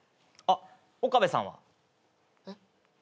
あっ岡部さんは？えっ。